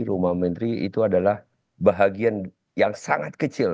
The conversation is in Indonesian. rumah menteri itu adalah bahagian yang sangat kecil